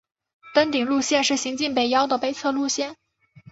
登顶路线是行经北坳的北侧路线。